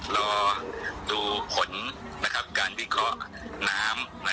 รอดูผลการวิเคราะห์น้ำ